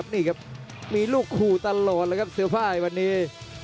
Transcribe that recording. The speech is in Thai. นี่ครับมีลูกคู่ตลอดเลยครับเซวไพ่บรรที